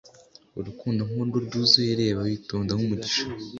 urukundo nk'urwo rwuzuye-reba, witonda nk'umugisha;